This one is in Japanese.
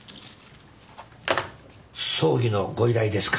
葬儀のご依頼ですか？